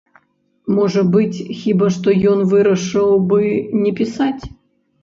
Можа быць, хіба што, ён вырашыў бы не пісаць?